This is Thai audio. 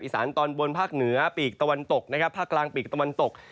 สานตอนบนภาคเหนือปีกตะวันตกนะครับภาคกลางปีกตะวันตก